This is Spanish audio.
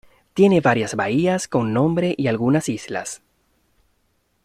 Tiene varias bahías con nombre y algunas islas.